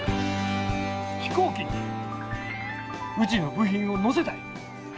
飛行機にうちの部品を乗せたい。